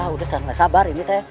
udah sekarang gak sabar ini teh